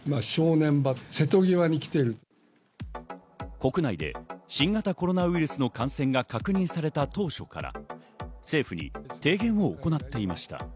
国内で新型コロナウイルスの感染が確認された当初から、政府に提言を行っていました。